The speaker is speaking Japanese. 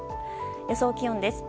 予想気温です。